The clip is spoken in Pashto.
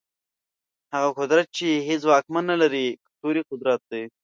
هغه قدرت چي هيڅ واکمن نلري، کلتوري قدرت دی.